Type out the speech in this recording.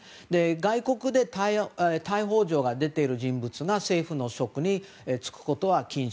外国で逮捕状が出ている人物が政府の職に就くことは禁止。